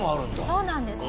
そうなんです。